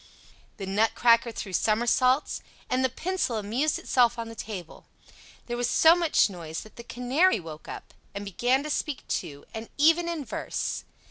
The Nutcracker threw somersaults, and the Pencil amused itself on the table; there was so much noise that the Canary woke up, and began to speak too, and even in verse.